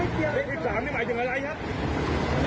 คุณปล่อยพระ